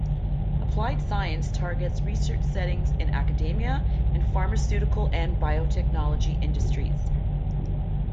Applied Science targets research settings in academia and pharmaceutical and biotechnology industries.